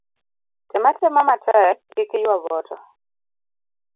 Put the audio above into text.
Tem atema matek kik iywa boto